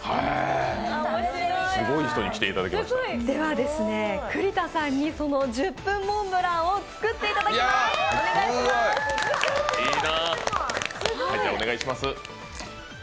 では、くりたさんにその１０分モンブランを作っていただきます。